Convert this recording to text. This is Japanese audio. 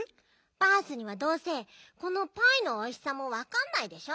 バースにはどうせこのパイのおいしさもわかんないでしょ。